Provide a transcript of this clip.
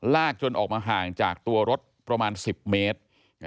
จนออกมาห่างจากตัวรถประมาณ๑๐เมตร